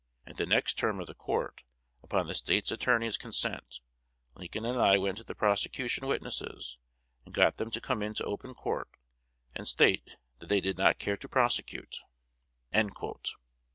At the next term of the court, upon the State's Attorney's consent, Lincoln and I went to the prosecution witnesses, and got them to come into open court, and state that they did not care to presecute."